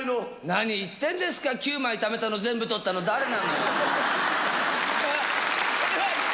何言ってんですか、９枚ためたの全部取ったの誰なのよ。